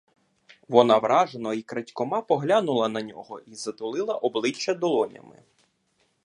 Вона вражено й крадькома поглянула на нього й затулила обличчя долонями.